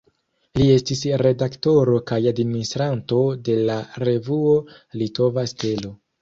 Li estis redaktoro kaj administranto de la revuo "Litova Stelo".